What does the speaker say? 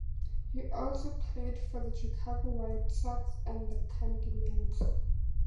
He also played for the Chicago White Sox and the Cardinals.